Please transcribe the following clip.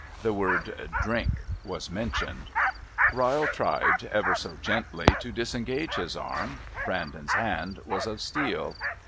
The word "Drink" was mentioned. Ryle tried, every so gently, to disengage his arm. Brandon's hand was of steel.